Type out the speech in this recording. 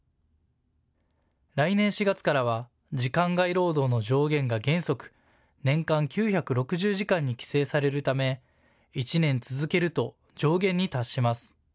来年４月からは時間外労働の上限が原則、年間９６０時間に規制されるため１年続けると上限に達します。